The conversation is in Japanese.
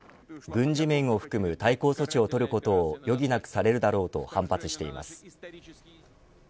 ロシア外務省は早速声明で軍事面を含む対抗措置をとることを余儀なくされるだろうと反発しています。